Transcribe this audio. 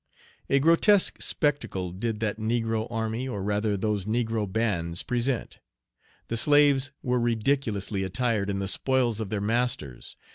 A grotesque spectacle did that negro army, or rather those negro bands, present. The slaves were ridiculously attired in the Page 55 spoils of their masters.